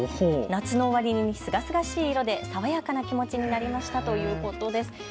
夏の終わりにすがすがしい色で爽やかな気持ちになりましたということです。